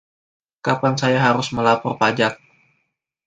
Kapan saya harus melapor pajak?